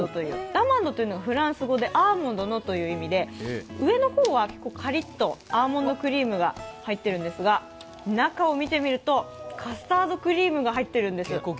ダマンドというのがフランス語で「アーモンドの」という意味で、上の方は結構カリッとアーモンドクリームが入ってるんですが中を見てみると、カスタードクリームが入っているんです。